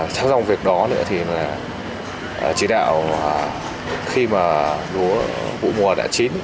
trong việc đó chỉ đạo khi mùa đã chín